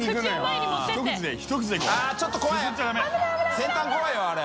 先端怖いよあれ。